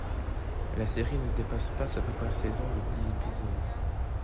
Mais la série ne dépasse pas sa première saison de dix épisodes.